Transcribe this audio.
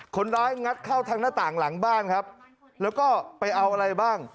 งัดเข้าทางหน้าต่างหลังบ้านครับแล้วก็ไปเอาอะไรบ้าง